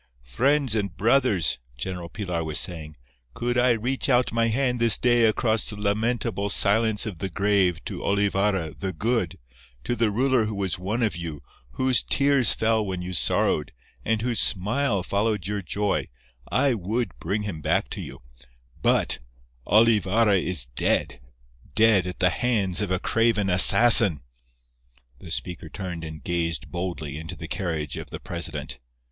"Friends and brothers," General Pilar was saying, "could I reach out my hand this day across the lamentable silence of the grave to Olivarra 'the Good,' to the ruler who was one of you, whose tears fell when you sorrowed, and whose smile followed your joy—I would bring him back to you, but—Olivarra is dead—dead at the hands of a craven assassin!" The speaker turned and gazed boldly into the carriage of the president.